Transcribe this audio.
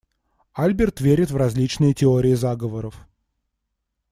Альберт верит в различные теории заговоров.